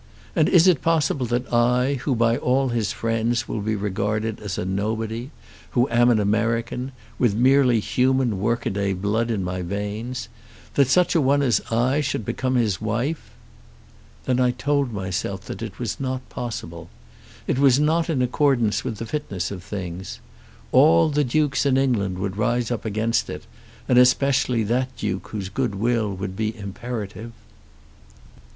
And is it possible that I, who by all his friends will be regarded as a nobody, who am an American, with merely human workaday blood in my veins, that such a one as I should become his wife? Then I told myself that it was not possible. It was not in accordance with the fitness of things. All the dukes in England would rise up against it, and especially that duke whose good will would be imperative."